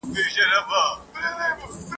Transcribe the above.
پیر اغوستې ګودړۍ وه ملنګینه !.